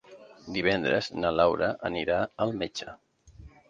Divendres na Laura anirà al metge.